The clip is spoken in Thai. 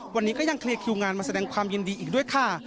วันนี้ก็ยังเคลียร์คิวงานมาแสดงความยินดีอีกด้วยค่ะ